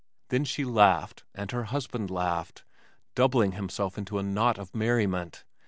Then she laughed, and her husband laughed, doubling himself into a knot of merriment.